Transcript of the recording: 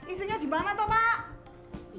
isinya di mana pak